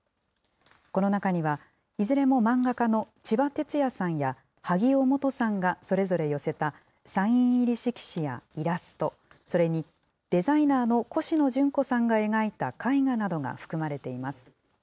この中には、いずれも漫画家のちばてつやさんや、萩尾望都さんがそれぞれ寄せたサイン入り色紙やイラスト、それにデザイナーのコシノジュンコさんが描いた絵画などが含まれています。